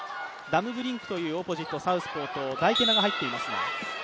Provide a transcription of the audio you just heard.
ダムブリンクというオポジット、サウスポーのダイケマが入っていますが。